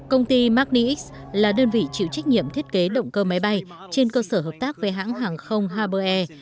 công ty magnix là đơn vị chịu trách nhiệm thiết kế động cơ máy bay trên cơ sở hợp tác với hãng hàng không haber air